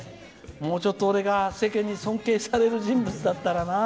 もうちょっと俺が世間に尊敬される人物だったらな。